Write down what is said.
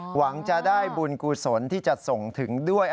หวังจะได้บุญกุศลที่จะส่งถึงด้วย